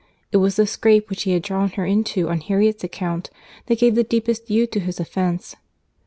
It was the scrape which he had drawn her into on Harriet's account, that gave the deepest hue to his offence.